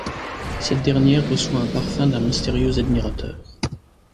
Cette dernière reçoit un parfum d'un mystérieux admirateur.